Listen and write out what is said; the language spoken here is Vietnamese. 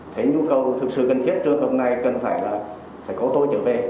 những nhu cầu thực sự cần thiết trường hợp này cần phải là phải cố tố chở về